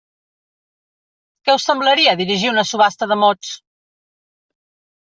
Què us semblaria dirigir una subhasta de mots?